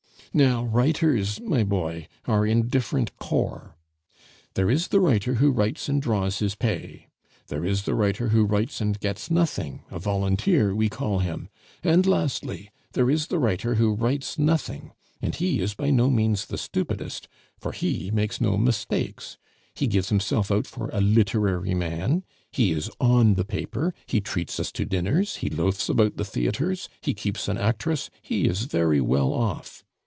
"Now writers, my boy, are in different corps; there is the writer who writes and draws his pay; there is the writer who writes and gets nothing (a volunteer we call him); and, lastly, there is the writer who writes nothing, and he is by no means the stupidest, for he makes no mistakes; he gives himself out for a literary man, he is on the paper, he treats us to dinners, he loafs about the theatres, he keeps an actress, he is very well off.